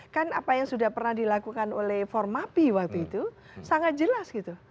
kan apa yang sudah pernah dilakukan oleh formapi waktu itu sangat jelas gitu